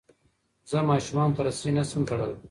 زه ماشومان په رسۍ نه شم تړلی.